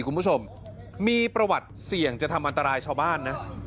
คุณผู้ชมมีประวัติเสี่ยงจะทำอันตรายชาวบ้านนะ